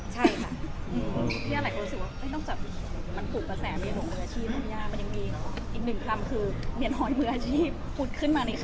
ใช่ค่ะพี่อาหลายคนรู้สึกว่าไม่ต้องจับมันถูกประแสมีหลวงมืออาชีพมันยังมีอีกหนึ่งคำคือเหนียนหอยมืออาชีพ